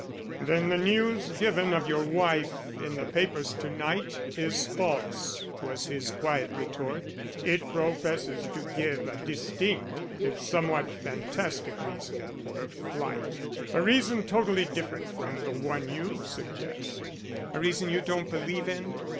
"Then the news given of your wife in the papers to night is false," was his quiet retort. "It professes to give a distinct, if somewhat fantastic, reason for her flight. A reason totally different from the one you suggest." "A reason you don't believe in?"